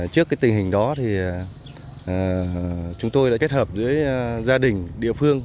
trước tình hình đó chúng tôi đã kết hợp với gia đình